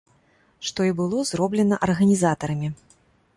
Што і было зроблена арганізатарамі.